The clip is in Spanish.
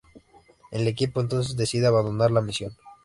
El equipo entonces decide abandonar la misión.